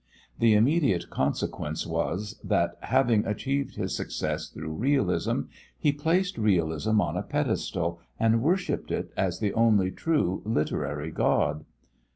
The immediate consequence was that, having achieved his success through realism, he placed realism on a pedestal and worshipped it as the only true (literary) god.